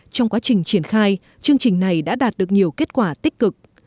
trong quá trình triển khai chương trình này đã đạt được nhiều kết quả tích cực